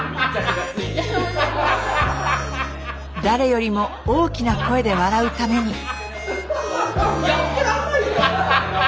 誰よりも大きな声で笑うために！